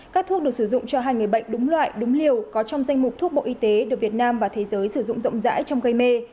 các thuốc được sử dụng cho hai người bệnh đúng loại đúng liều có trong danh mục thuốc bộ y tế được việt nam và thế giới sử dụng rộng rãi trong gây mê